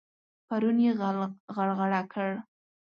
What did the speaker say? پرون يې غل غرغړه کړ.